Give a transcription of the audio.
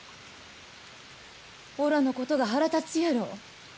おらのことが腹立つやろ。